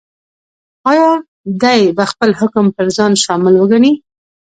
ایا دی به خپل حکم پر ځان شامل وګڼي؟